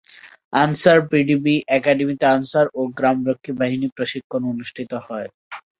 আনসার-ভিডিপি একাডেমিতে আনসার ও গ্রামরক্ষী বাহিনীর প্রশিক্ষণ অনুষ্ঠিত হয়।